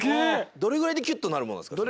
どれぐらいでキュっとなるものですか？